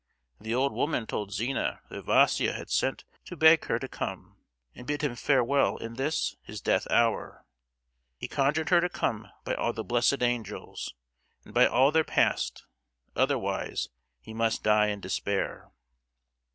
The old woman told Zina that Vaísia had sent to beg her to come and bid him farewell in this his death hour: he conjured her to come by all the blessed angels, and by all their past—otherwise he must die in despair.